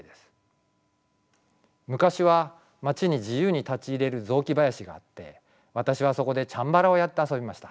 昔は街に自由に立ち入れる雑木林があって私はそこでチャンバラをやって遊びました。